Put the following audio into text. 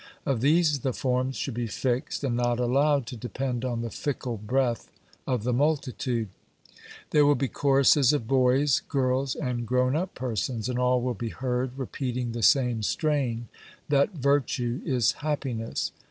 Of these the forms should be fixed, and not allowed to depend on the fickle breath of the multitude. There will be choruses of boys, girls, and grown up persons, and all will be heard repeating the same strain, that 'virtue is happiness.'